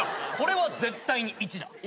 これは絶対に１だ。